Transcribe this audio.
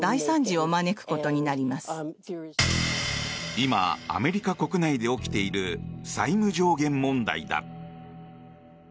今、アメリカ国内で起きている債務上限問題だ。